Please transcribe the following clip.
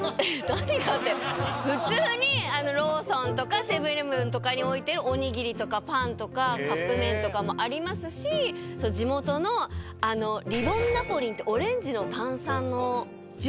普通にローソンとかセブン−イレブンとかに置いてるおにぎりとかパンとかカップ麺とかもありますし地元のリボンナポリンってオレンジの炭酸のジュース。